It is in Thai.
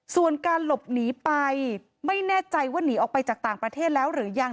ส่วนการหลบหนีไปไม่แน่ใจว่าหนีออกไปจากต่างประเทศแล้วหรือยัง